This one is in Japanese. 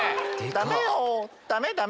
ダメよダメダメ。